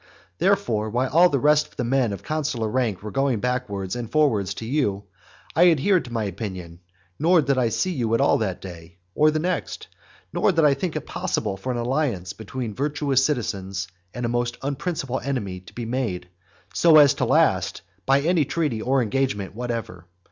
Therefore, while the rest of the men of consular rank were going backwards and forwards to you, I adhered to my opinion, nor did I see you at all that day, or the next; nor did I think it possible for an alliance between virtuous citizens and a most unprincipled enemy to be made, so as to last, by any treaty or engagement whatever.